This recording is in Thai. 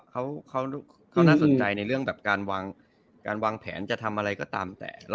เขาน่าสนใจในเรื่องแบบการวางแผนจะทำอะไรก็ตามแต่